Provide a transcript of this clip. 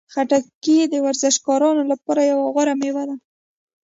خټکی د ورزشکارانو لپاره یوه غوره میوه ده.